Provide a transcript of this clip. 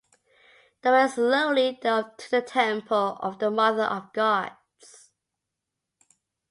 They went slowly to the temple of the Mother of Gods.